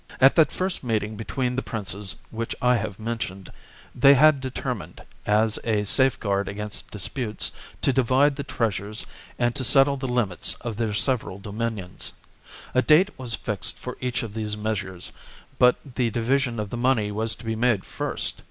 CHAP. At that first meeting between the princes which I have mentioned, they had determined, as a safe guard against disputes, to divide the treasures and to settle the limits of their several dominions. A date was fixed for each of these measures, but the division of the money was to be made first.